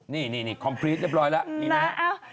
นี่คอมพลีตเรียบร้อยแล้ว